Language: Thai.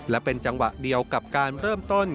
และเป็นจังหวะเดียวกับการเริ่มต้น